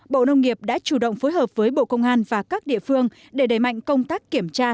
bộ nông nghiệp đã chủ động phối hợp với bộ công an và các địa phương để đẩy mạnh công tác kiểm tra